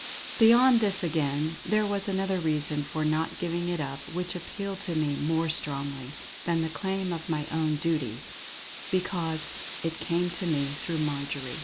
Beyond this again, there was another reason for not giving it up which appealed to me more strongly than the claim of my own natural duty, because it came to me through Marjory.